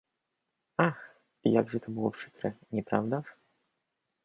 "Ach, jakże to było przykre, nieprawdaż?"